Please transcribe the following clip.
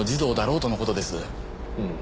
うん。